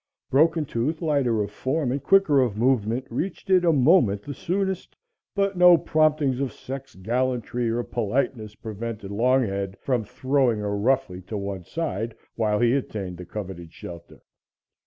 Broken Tooth, lighter of form and quicker of movement, reached it a moment the soonest, but no promptings of sex, gallantry or politeness prevented Longhead from throwing her roughly to one side while he attained the coveted shelter.